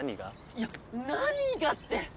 いや何がって。